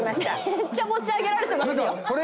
めっちゃ持ち上げられてます。